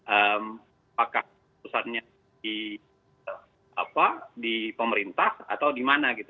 apakah keputusannya di pemerintah atau di mana gitu